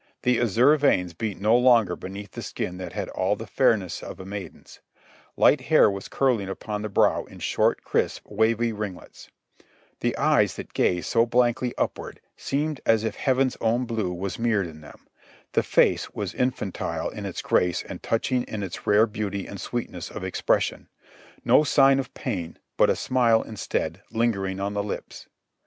The azure veins beat no longer be neath the skin that had all the fairness of a maiden's; light hair was curling upon the brow in short, crisp, wavy ringlets; the eyes that gazed so blankly upward seemed as if heaven's own blue was mirrored in them ; the face was infantile in its grace and touching in its rare beauty and sweetness of expression — no sign of pain, but a smile instead, lingering on the lips